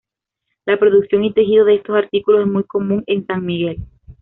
La producción y tejido de estos artículos es muy común en San Miguel.